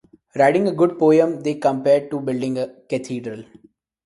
Writing a good poem they compared to building a cathedral.